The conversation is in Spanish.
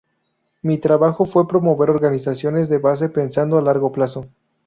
Mi trabajo fue promover organizaciones de base pensando a largo plazo.